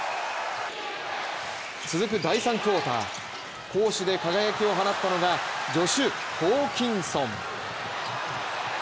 続く第３クオーター、攻守で輝きを放ったのがジョシュ・ホーキンソン。